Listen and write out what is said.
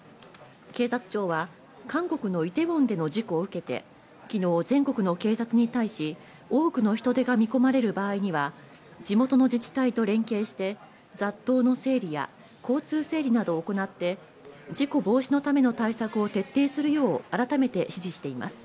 警察庁は韓国のイテウォンでの事故を受けて、きのう、全国の警察に対し、多くの人出が見込まれる場合には、地元の自治体と連携して、雑踏の整理や交通整理などを行って、事故防止のための対策を徹底するよう改めて指示しています。